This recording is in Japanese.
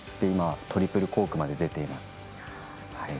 今はトリプルコークも出ています。